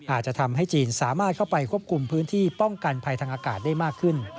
อาจจะทำให้จีนสามารถเข้าไปควบคุมพื้นที่ป้องกันภัยทางอากาศได้มากขึ้น